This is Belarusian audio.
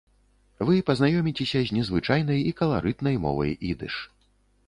Вы пазнаёміцеся з незвычайнай і каларытнай мовай ідыш.